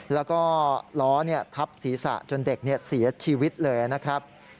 แล้วก็ล้อทับศีรษะจนเด็กเสียชีวิตเลยนะครับ